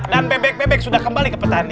dan bebek bebek sudah kembali ke petani